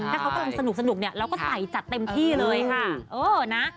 ถ้าเขากำลังสนุกเนี่ยเราก็ใส่จัดเต็มที่เลยค่ะ